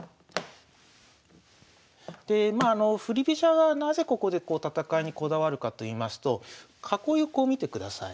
でまあ振り飛車がなぜここで戦いにこだわるかと言いますと囲いをこう見てください。